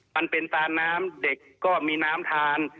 มันเป็นตานน้ำเด็กก็มีน้ำทาน